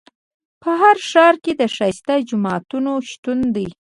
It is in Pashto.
په هر ښار کې د ښایسته جوماتونو شتون دی.